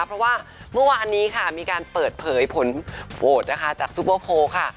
เพราะว่าเมื่อวานนี้ค่ะมีการเปิดเผยผลโหวตนะคะจากซุปเปอร์โพลค่ะ